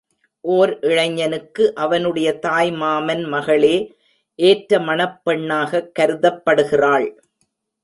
ஓர் இளைஞனுக்கு, அவனுடைய தாய் மாமன் மகளே ஏற்ற மணப் பெண்ணாகக் கருதப்படுகிறாள்.